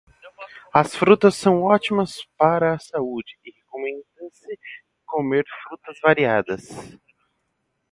As frutas são ótimas para a saúde e recomenda-se comer frutas variadas.